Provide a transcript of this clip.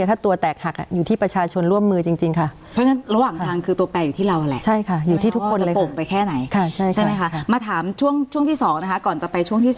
ถ้าตัวแตกหักอยู่ที่ประชาชนร่วมมือจริงค่ะ